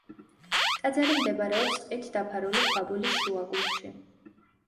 ტაძარი მდებარეობს ტყით დაფარული ქვაბულის შუაგულში.